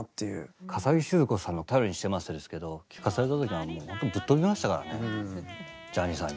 笠置シヅ子さんの「たよりにしてまっせ」ですけど聴かされた時はもうほんとぶっ飛びましたからねジャニーさんに。